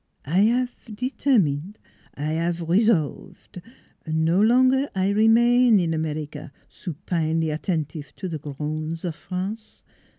I 'ave determine ! I 'ave resolve 1 No longer I remain in America, supinely attentive to the groans of France.